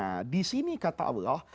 nah disini kata allah